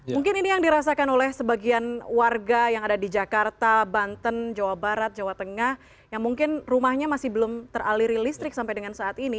mungkin ini yang dirasakan oleh sebagian warga yang ada di jakarta banten jawa barat jawa tengah yang mungkin rumahnya masih belum teraliri listrik sampai dengan saat ini